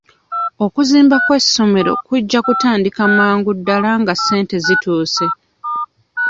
Okuzimba kw'essomero kujja kutandika mangu ddala nga ssente zituuse.